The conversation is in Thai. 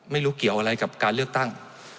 ไม่รู้เกี่ยวอะไรกับการเลือกตั้ง